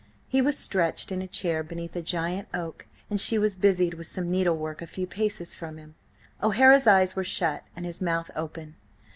He was stretched in a chair beneath a giant oak, and she was busied with some needlework a few paces from him. O'Hara's eyes were shut and his mouth open.